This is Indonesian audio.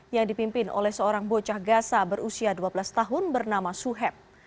yang dipimpin oleh seorang bocah gasa berusia dua belas tahun bernama suhep